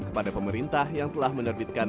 kepada pemerintah yang telah menerbitkan